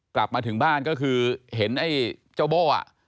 กลับมาถึงบ้านก็คือเห็นเจ้าโบ่